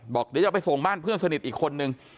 บอกเดี๋ยวจะไปส่งบ้านเพื่อนสนิทอีกคนนึง